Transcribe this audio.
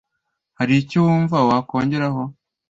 Hari icyo wumva wakongeraho